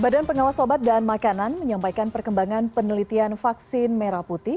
badan pengawas obat dan makanan menyampaikan perkembangan penelitian vaksin merah putih